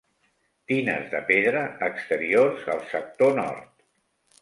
Tines de pedra, exteriors, al sector nord.